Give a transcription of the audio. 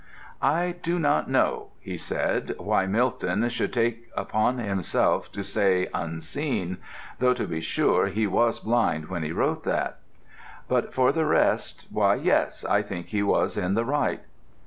"'I do not know,' he said, 'why Milton should take upon himself to say "unseen"; though to be sure he was blind when he wrote that. But for the rest, why, yes, I think he was in the right.'